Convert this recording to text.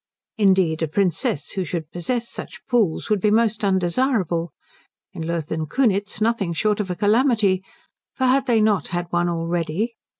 Indeed, a princess who should possess such pools would be most undesirable in Lothen Kunitz nothing short of a calamity; for had they not had one already?